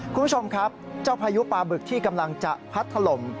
คุณผู้ชมครับเจ้าพายุปลาบึกที่กำลังจะพัดถล่ม